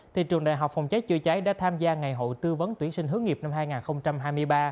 thì trường đại học phòng cháy chữa cháy đã tham gia ngày hội tư vấn tuyển sinh hướng nghiệp năm hai nghìn hai mươi ba